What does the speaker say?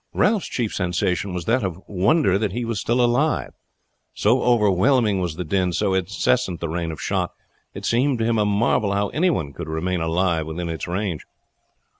Ralph's chief sensation was that of wonder that he was alive; so overwhelming was the din, so incessant the rain of shot, it seemed to him a marvel how any one could remain alive within its range.